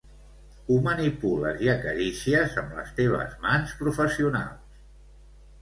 Ho manipules i acaricies amb les teves mans professionals.